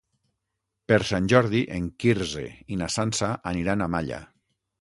Per Sant Jordi en Quirze i na Sança aniran a Malla.